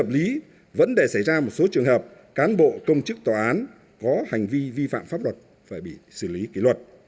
lý vấn đề xảy ra một số trường hợp cán bộ công chức tòa án có hành vi vi phạm pháp luật phải bị xử lý kỷ luật